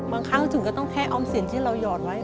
ครั้งถึงก็ต้องแค่ออมสินที่เราหยอดไว้